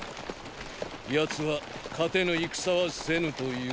奴は勝てぬ戦はせぬという。